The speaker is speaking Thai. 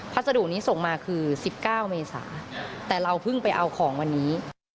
พัสดุนี้ส่งมาคือ๑๙เมษาแต่เราเพิ่งไปเอาของวันนี้